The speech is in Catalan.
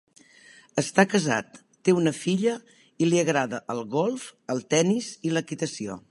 Està casat, té una filla i li agrada el golf, el tennis i l'equitació.